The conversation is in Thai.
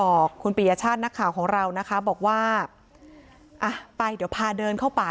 บอกคุณปียชาตินักข่าวของเรานะคะบอกว่าอ่ะไปเดี๋ยวพาเดินเข้าป่า